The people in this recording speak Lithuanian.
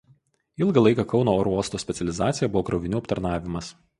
Ilgą laiką Kauno oro uosto specializacija buvo krovinių aptarnavimas.